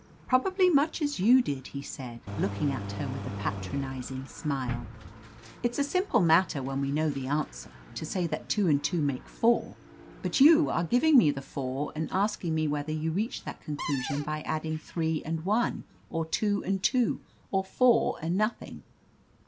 "Probably much as you did," he said, lodk ^ ing at her with a patronizing smile. "It's a simple matter when we know the answer, to say that two and two make four, but you are 189 THE AMAZING ADVENTURES giving me the four, and asking me whether you reached that conclusion by adding three and one, or two and two, or four and nothing.